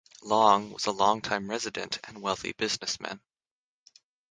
Long was a longtime resident and wealthy businessman.